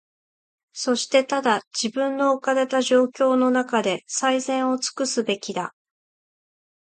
そしてただ、自分の置かれた状況のなかで、最善をつくすべきだ。